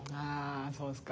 そうですか。